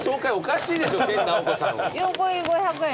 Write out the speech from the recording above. ４個入り５００円。